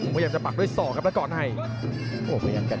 วัยงจะปลักด้วยพักด้วยสองครับ